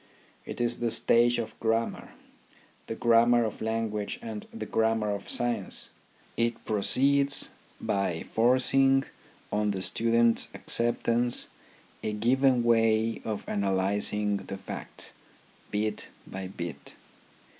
It is the stage of grammar, the grammar of lan guage and the grammar of science. It proceeds by forcing on the students' acceptance a given way of analysing the facts, bit by bit.